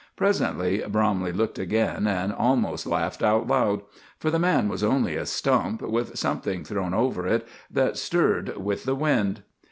Presently Bromley looked again, and almost laughed out loud; for the man was only a stump with something thrown over it that stirred with the wind.